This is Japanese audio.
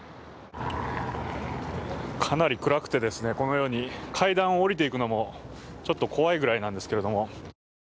かなり暗くて、このように階段を降りていくのもちょっと怖いぐらいなんですけれども。